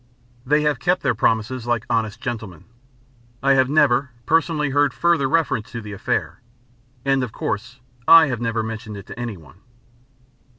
They have kept their promise like honest gentlemen. I have never, personally, heard further reference to the affair, and of course I have never mentioned it to anyone.